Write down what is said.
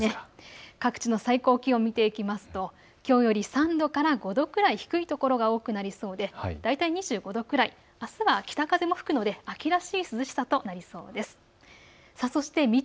各地の最高気温、見ていきますときょうより３度から５度ぐらい低いところが多くなりそうで大体２５度くらい、あすは北風も吹くので秋らしい涼しさとなりそうです。